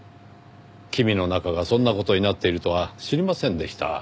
君の中がそんな事になっているとは知りませんでした。